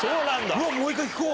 うわもう１回聴こう。